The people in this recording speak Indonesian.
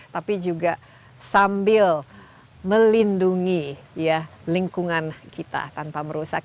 tapi juga sambil melindungi lingkungan kita tanpa merusak